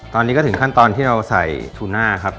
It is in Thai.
ตอนนี้ก็ถึงขั้นตอนที่เราใส่ทูน่าครับ